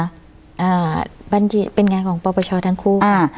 อ่าบัญชีเป็นงานของปปชทั้งคู่ค่ะ